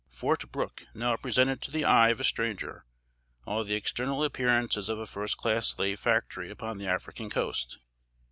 Fort Brooke now presented to the eye of a stranger all the external appearances of a first class "slave factory" upon the African coast.